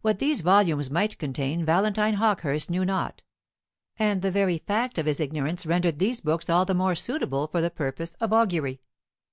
What these volumes might contain Valentine Hawkehurst knew not; and the very fact of his ignorance rendered these books all the more suitable for the purpose of augury.